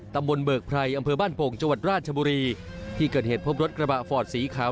เบิกไพรอำเภอบ้านโป่งจังหวัดราชบุรีที่เกิดเหตุพบรถกระบะฟอร์ดสีขาว